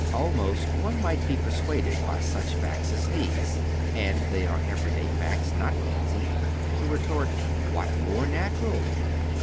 Almost one might be per suaded by such facts as these — and tliey are everyday facts, not fancy — ^to retort : what more natural